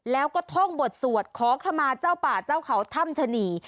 แล้วก็ท่องบทสวดขอขมาเจ้าป่าเจ้าเขาถ้ำชะนี